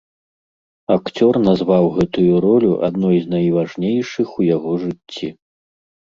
Акцёр назваў гэтую ролю адной з найважнейшых у яго жыцці.